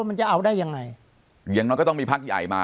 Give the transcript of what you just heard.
มันจะเอาได้ยังไงอย่างน้อยก็ต้องมีพักใหญ่มา